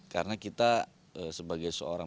karena kita sebagai seorang